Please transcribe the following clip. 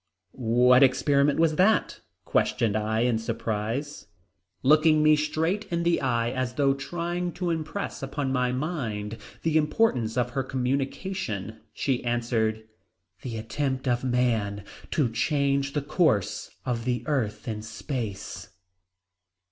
"What experiment was that?" questioned I in surprise. Looking me straight in the eye as though trying to impress upon my mind the importance of her communication, she answered, "the attempt of man to change the course of the earth in space."